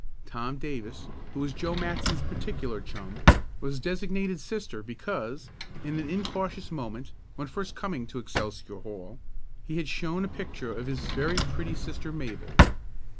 Tom Davis, who was Joe Matson's particular chum, was designated "Sister" because, in an incautious moment, when first coming to Excelsior Hall, he had shown a picture of his very pretty sister, Mabel.